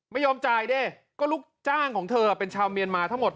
ไม่ยอมจ่ายดิก็ลูกจ้างของเธอเป็นชาวเมียนมาทั้งหมด